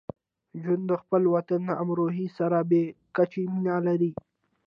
جون د خپل وطن امروهې سره بې کچه مینه لرله